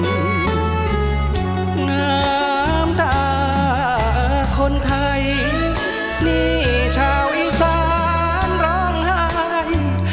น้ำตาคนไทยนี่ชาวอีสานร้องไห้